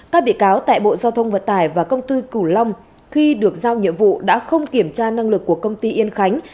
các bị cáo tại bộ giao thông vận tải và công ty cửu long khi được giao nhiệm vụ đã không kiểm tra năng lực của công ty yên khánh